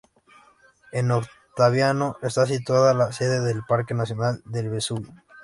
En Ottaviano está situada la sede del Parque Nacional del Vesubio.